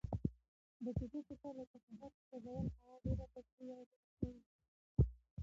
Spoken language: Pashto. د کوڅو په سر د کثافاتو سوځول هوا ډېره بدبویه او زهري کوي.